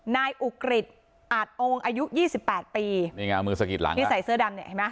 นายอุกฤษอาจองค์อายุยี่สิบแปดปีนี่ไงมือสะกิดหลังที่ใส่เสื้อดำเนี่ยเห็นไหม